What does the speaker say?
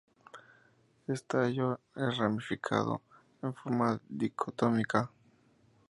Es tallo es ramificado en forma dicotómica.